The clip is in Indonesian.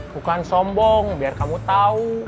bukan sombong biar kamu tahu